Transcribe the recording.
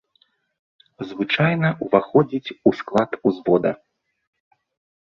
Звычайна ўваходзіць у склад узвода.